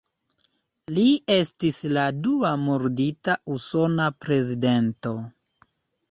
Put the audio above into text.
Li estis la dua murdita usona prezidento.